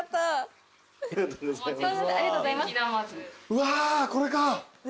うわこれか。